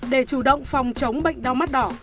để chủ động phòng chống bệnh đau mắt đỏ